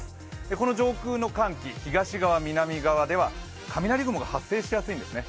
この上空の寒気、東側、南側では雷雲が発生しやすいんですね。